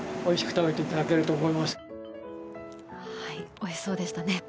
おいしそうでしたね。